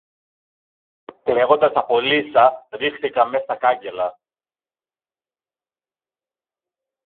Κλαίγοντας από λύσσα ρίχθηκα μες στα κάγκελα